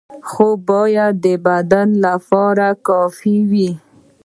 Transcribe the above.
خواب باید د بدن لپاره کافي وي.